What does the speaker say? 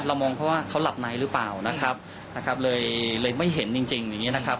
มองเพราะว่าเขาหลับในหรือเปล่านะครับนะครับเลยเลยไม่เห็นจริงจริงอย่างงี้นะครับ